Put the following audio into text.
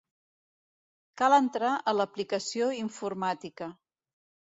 Cal entrar a l'aplicació informàtica.